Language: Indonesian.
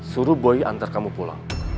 suruh boy antar kamu pulang